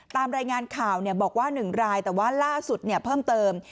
ตามรายงานข่าวบอกว่า๑รายแต่ว่าล่าสุดเพิ่มเติม